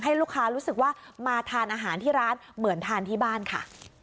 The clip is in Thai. ลูกค้ารู้สึกว่ามาทานอาหารที่ร้านเหมือนทานที่บ้านค่ะ